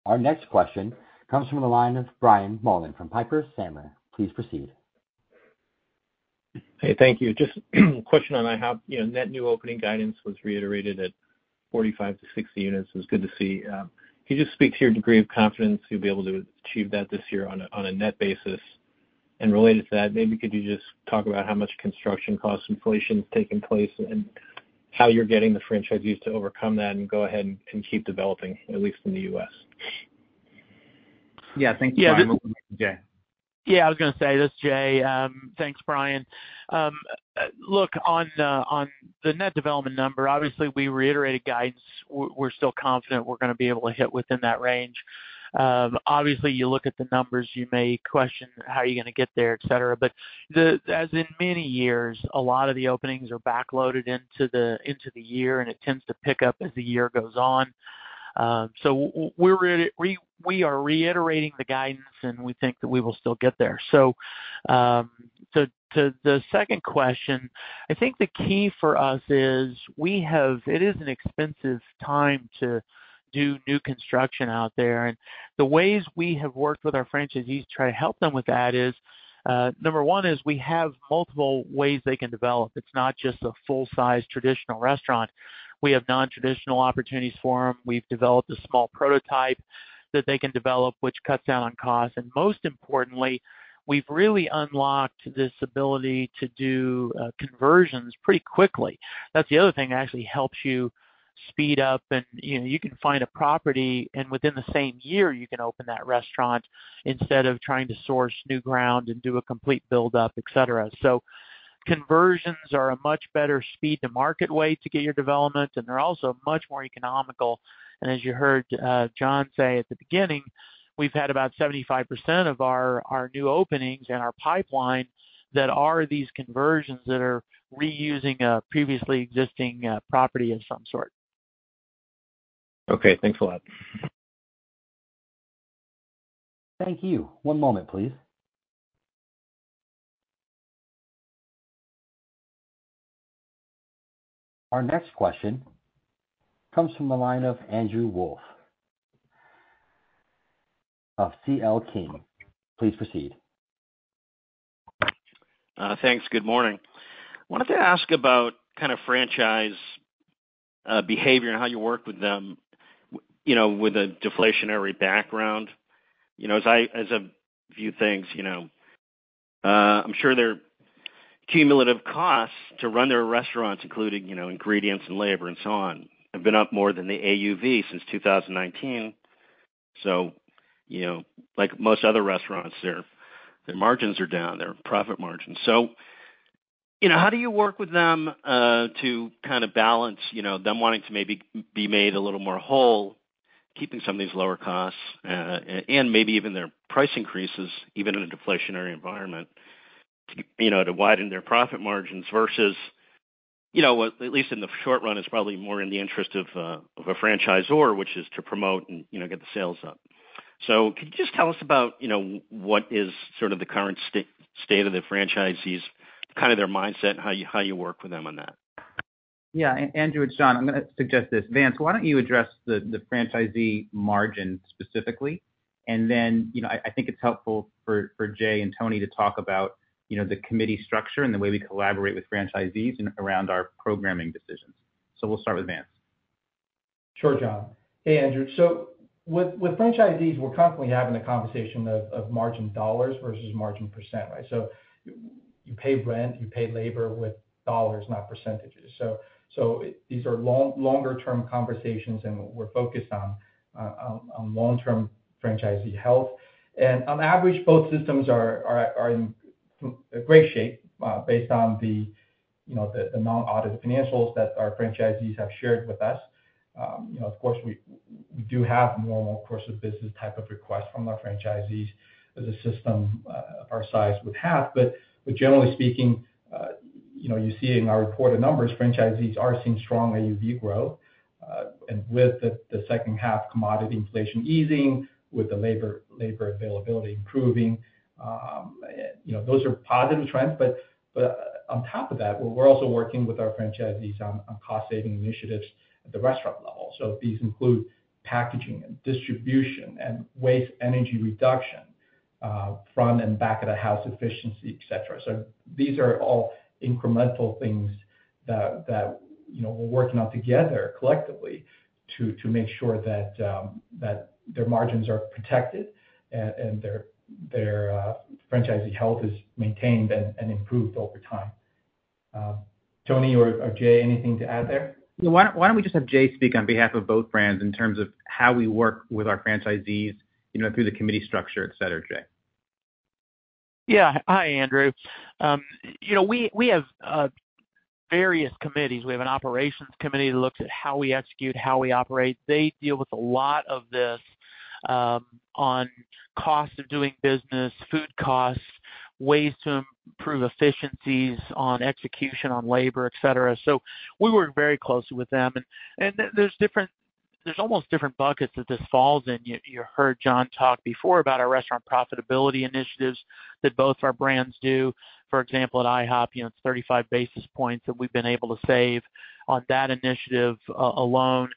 Our next question comes from the line of Brian Mullan from Piper Sandler. Please proceed. Hey, thank you. Just a question on IHOP. You know, net new opening guidance was reiterated at 45 to 60 units. It was good to see. Can you just speak to your degree of confidence you'll be able to achieve that this year on a, on a net basis? Related to that, maybe could you just talk about how much construction cost inflation is taking place, and how you're getting the franchisees to overcome that and go ahead and, and keep developing, at least in the U.S.? Yeah. Thank you, Brian. Yeah. Yeah, I was going to say, this is Jay. Thanks, Brian. Look, on the, on the net development number, obviously, we reiterated guidance. We're, we're still confident we're going to be able to hit within that range. Obviously, you look at the numbers, you may question how you're going to get there, et cetera. The, as in many years, a lot of the openings are backloaded into the, into the year, and it tends to pick up as the year goes on. We are reiterating the guidance, and we think that we will still get there. To the second question, I think the key for us is we have. It is an expensive time to do new construction out there, and the ways we have worked with our franchisees to try to help them with that is, number 1 is we have multiple ways they can develop. It's not just a full-size traditional restaurant. We have nontraditional opportunities for them. We've developed a small prototype that they can develop, which cuts down on costs. Most importantly, we've really unlocked this ability to do conversions pretty quickly. That's the other thing that actually helps you speed up, and, you know, you can find a property, and within the same year, you can open that restaurant instead of trying to source new ground and do a complete build-up, et cetera. Conversions are a much better speed to market way to get your development, and they're also much more economical. As you heard, John say at the beginning, we've had about 75% of our, our new openings in our pipeline that are these conversions that are reusing a previously existing, property of some sort. Okay, thanks a lot. Thank you. One moment, please. Our next question comes from the line of Andrew Wolf of CL King. Please proceed. Thanks. Good morning. Wanted to ask about kind of franchise behavior and how you work with them, you know, with a deflationary background. You know, as I, as I view things, you know, I'm sure their cumulative costs to run their restaurants, including, you know, ingredients and labor and so on, have been up more than the AUV since 2019. You know, like most other restaurants, their, their margins are down, their profit margins. You know, how do you work with them, to kind of balance, you know, them wanting to maybe be made a little more whole, keeping some of these lower costs, and maybe even their price increases, even in a deflationary environment, you know, to widen their profit margins versus, you know, at least in the short run, it's probably more in the interest of, of a franchisor, which is to promote and, you know, get the sales up. Could you just tell us about, you know, what is sort of the current state of the franchisees, kind of their mindset, and how you, how you work with them on that? Andrew, it's John. I'm going to suggest this. Vance, why don't you address the franchisee margin specifically? Then, you know, I think it's helpful for Jay and Tony to talk about, you know, the committee structure and the way we collaborate with franchisees in around our programming decisions. We'll start with Vance. Sure, John. Hey, Andrew. With franchisees, we're constantly having a conversation of margin dollars versus margin percent, right? You pay rent, you pay labor with dollars, not percentages. These are longer term conversations, and we're focused on long-term franchisee health. On average, both systems are in great shape, based on the, you know, the non-audited financials that our franchisees have shared with us. You know, of course, we do have normal course of business type of requests from our franchisees as a system of our size would have. Generally speaking, you know, you see in our reported numbers, franchisees are seeing strong AUV growth, and with the second half commodity inflation easing, with the labor availability improving, you know, those are positive trends. On top of that, we're also working with our franchisees on, on cost-saving initiatives at the restaurant level. These include packaging and distribution and waste energy reduction, front and back of the house efficiency, et cetera. These are all incremental things that, that, you know, we're working on together collectively to, to make sure that their margins are protected and, and their, their franchisee health is maintained and, and improved over time. Tony or, or Jay, anything to add there? Why don't we just have Jay speak on behalf of both brands in terms of how we work with our franchisees, you know, through the committee structure, et cetera, Jay? Yeah. Hi, Andrew. You know, we, we have various committees. We have an operations committee that looks at how we execute, how we operate. They deal with a lot of this on cost of doing business, food costs, ways to improve efficiencies on execution, on labor, et cetera. We work very closely with them, and there's almost different buckets that this falls in. You, you heard John Peyton talk before about our restaurant profitability initiatives that both our brands do. For example, at IHOP, you know, it's 35 basis points that we've been able to save on that initiative alone.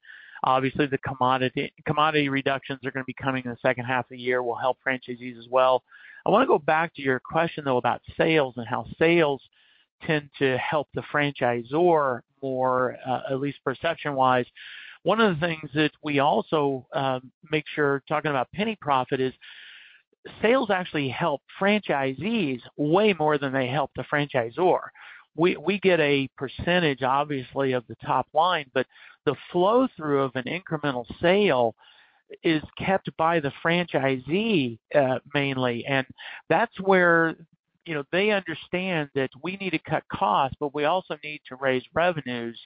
Obviously, the commodity, commodity reductions are going to be coming in the second half of the year will help franchisees as well. I want to go back to your question, though, about sales and how sales tend to help the franchisor or, at least perception-wise. One of the things that we also make sure, talking about penny profit is, sales actually help franchisees way more than they help the franchisor. We get a percentage, obviously, of the top line, but the flow-through of an incremental sale is kept by the franchisee, mainly, and that's where, you know, they understand that we need to cut costs, but we also need to raise revenues,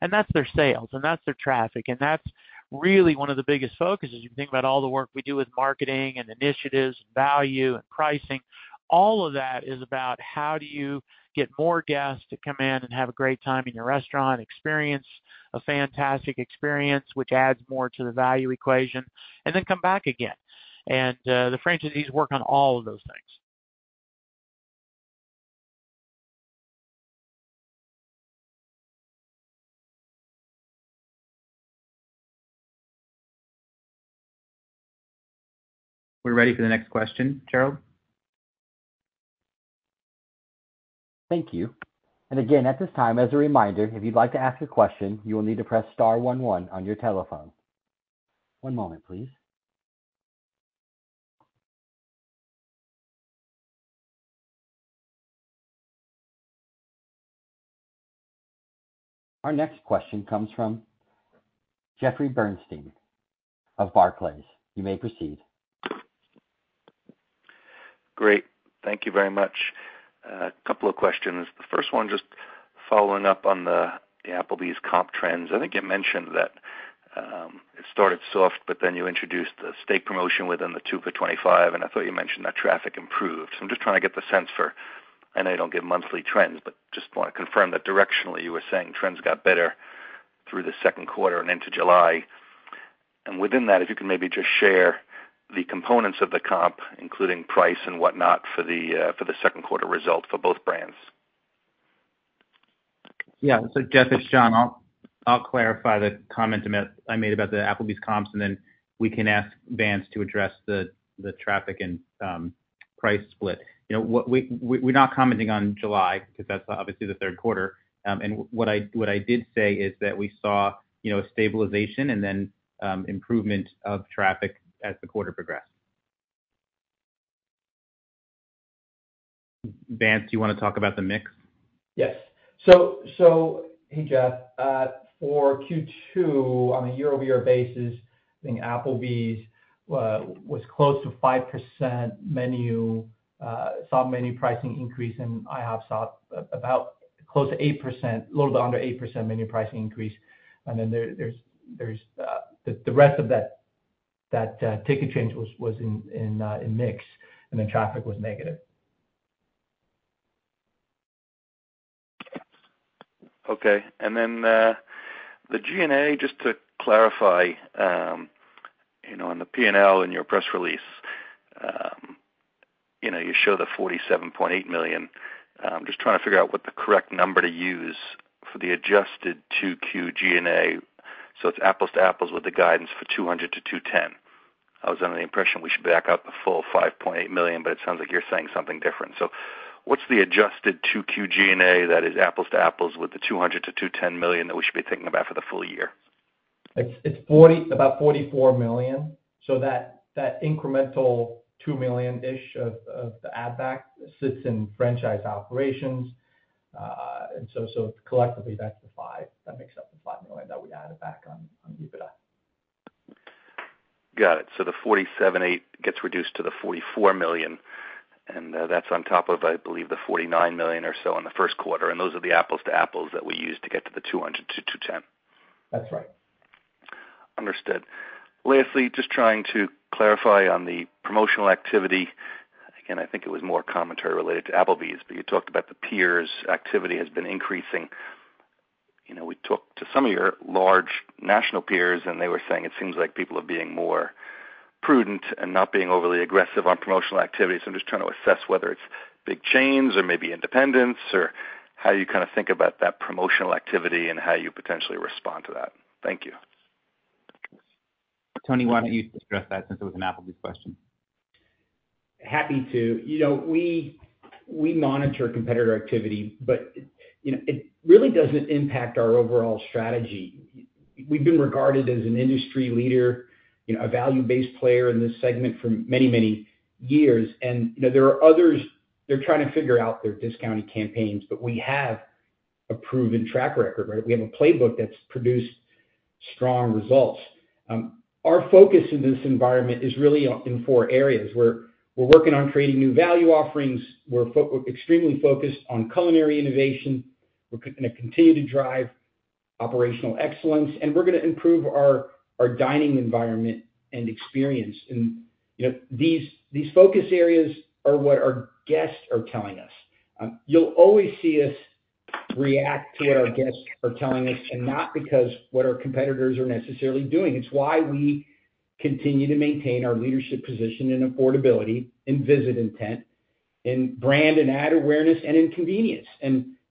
and that's their sales, and that's their traffic. That's really one of the biggest focuses. You think about all the work we do with marketing and initiatives, value, and pricing. All of that is about how do you get more guests to come in and have a great time in your restaurant, experience a fantastic experience, which adds more to the value equation, and then come back again. The franchisees work on all of those things. We're ready for the next question, Gerald. Thank you. Again, at this time, as a reminder, if you'd like to ask a question, you will need to press star 11 on your telephone. One moment, please. Our next question comes from Jeffrey Bernstein of Barclays. You may proceed. Great. Thank you very much. couple of questions. The first one, just following up on the Applebee's comp trends. I think you mentioned that, it started soft, but then you introduced the steak promotion within the 2 for $25, and I thought you mentioned that traffic improved. I'm just trying to get the sense for, I know you don't give monthly trends, but just want to confirm that directionally, you were saying trends got better through the second quarter and into July. Within that, if you can maybe just share the components of the comp, including price and whatnot, for the second quarter result for both brands. Yeah. Jeff, it's John. I'll clarify the comment I made about the Applebee's comps, and then we can ask Vance to address the traffic and price split. You know, what we're not commenting on July because that's obviously the third quarter. And what I did say is that we saw, you know, stabilization and then improvement of traffic as the quarter progressed. Vance, do you want to talk about the mix? Yes. Hey, Jeff, for Q2, on a year-over-year basis, I think Applebee's was close to 5% menu, saw menu pricing increase, and IHOP saw about close to 8%, a little bit under 8% menu pricing increase. Then there's the rest of that ticket change was in mix, and then traffic was negative. Okay. The G&A, just to clarify, you know, on the P&L in your press release, you know, you show the $47.8 million. I'm just trying to figure out what the correct number to use for the adjusted 2Q G&A, so it's apples to apples with the guidance for $200 million-$210 million. I was under the impression we should back out the full $5.8 million, but it sounds like you're saying something different. What's the adjusted 2Q G&A that is apples to apples with the $200 million-$210 million that we should be thinking about for the full year? It's, it's 40, about $44 million. That, that incremental $2 million-ish of, of the add back sits in franchise operations. Collectively, that's the 5, that makes up the $5 million that we added back on, on EBITDA. Got it. The $47.8 million gets reduced to the $44 million, that's on top of, I believe, the $49 million or so in the first quarter, those are the apples to apples that we use to get to the $200 million-$210 million. That's right. Understood. Lastly, just trying to clarify on the promotional activity. Again, I think it was more commentary related to Applebee's, but you talked about the peers' activity has been increasing. You know, we talked to some of your large national peers, and they were saying it seems like people are being more prudent and not being overly aggressive on promotional activities. I'm just trying to assess whether it's big chains or maybe independents, or how you kind of think about that promotional activity and how you potentially respond to that. Thank you. Tony, why don't you address that since it was an Applebee's question? Happy to. You know, we, we monitor competitor activity, but, you know, it really doesn't impact our overall strategy. We've been regarded as an industry leader, you know, a value-based player in this segment for many, many years. You know, there are others, they're trying to figure out their discounting campaigns, but we have a proven track record, right? We have a playbook that's produced strong results. Our focus in this environment is really on, in 4 areas, where we're working on creating new value offerings, we're extremely focused on culinary innovation, we're gonna continue to drive operational excellence, and we're gonna improve our, our dining environment and experience. You know, these, these focus areas are what our guests are telling us. You'll always see us react to what our guests are telling us and not because what our competitors are necessarily doing. It's why we continue to maintain our leadership position in affordability and visit intent, in brand and ad awareness, and in convenience.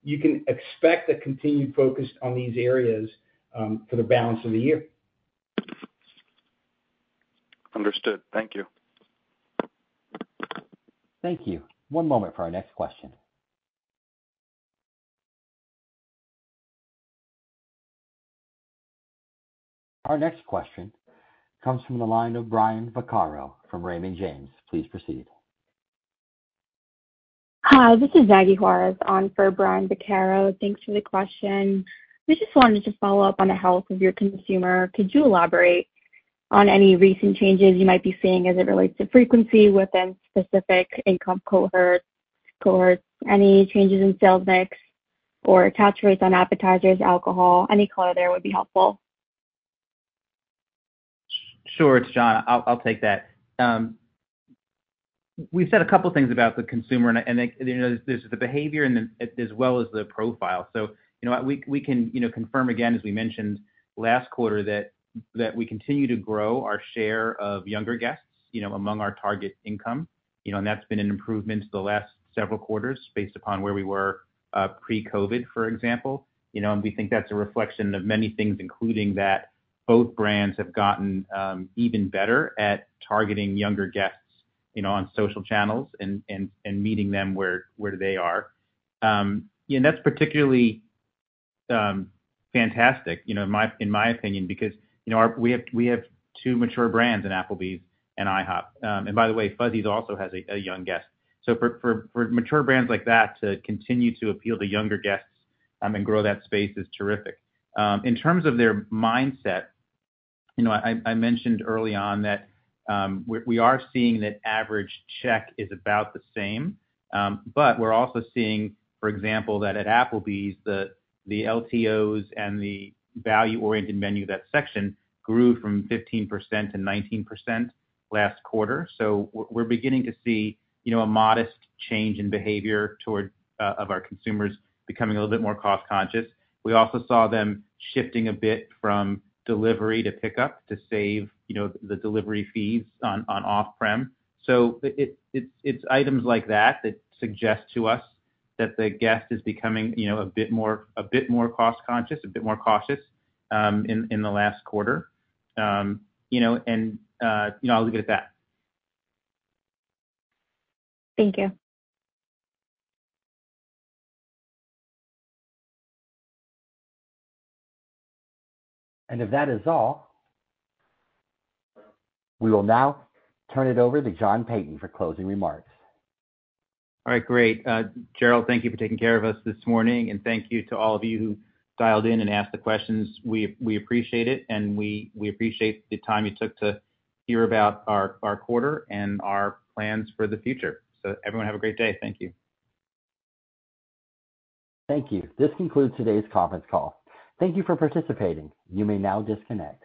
You can expect a continued focus on these areas, for the balance of the year. Understood. Thank you. Thank you. One moment for our next question. Our next question comes from the line of Brian Vaccaro from Raymond James. Please proceed. Hi, this is Maggie Juarez on for Brian Vaccaro. Thanks for the question. We just wanted to follow up on the health of your consumer. Could you elaborate on any recent changes you might be seeing as it relates to frequency within specific income cohorts, any changes in sales mix or attach rates on appetizers, alcohol? Any color there would be helpful. Sure. It's John. I'll, I'll take that. We've said a couple things about the consumer and, and, you know, there's the behavior and then as well as the profile. You know what? We, we can, you know, confirm again, as we mentioned last quarter, that, that we continue to grow our share of younger guests, you know, among our target income. You know, that's been an improvement the last several quarters based upon where we were pre-COVID, for example. You know, we think that's a reflection of many things, including that both brands have gotten even better at targeting younger guests, you know, on social channels and, and, and meeting them where, where they are. That's particularly fantastic, you know, in my, in my opinion, because, you know, our-- we have, we have two mature brands in Applebee's and IHOP. By the way, Fuzzy's also has a, a young guest. For, for, for mature brands like that to continue to appeal to younger guests, and grow that space is terrific. In terms of their mindset, you know, I, I mentioned early on that, we, we are seeing that average check is about the same. We're also seeing, for example, that at Applebee's, the, the LTOs and the value-oriented menu, that section grew from 15% to 19% last quarter. We're, we're beginning to see, you know, a modest change in behavior toward of our consumers becoming a little bit more cost conscious. We also saw them shifting a bit from delivery to pickup to save, you know, the delivery fees on, on off-prem. It's items like that that suggest to us that the guest is becoming, you know, a bit more, a bit more cost conscious, a bit more cautious, in the last quarter. You know, I'll leave it at that. Thank you. If that is all, we will now turn it over to John Peyton for closing remarks. All right, great. Gerald, thank you for taking care of us this morning. Thank you to all of you who dialed in and asked the questions. We, we appreciate it, and we, we appreciate the time you took to hear about our, our quarter and our plans for the future. Everyone, have a great day. Thank you. Thank you. This concludes today's conference call. Thank you for participating. You may now disconnect.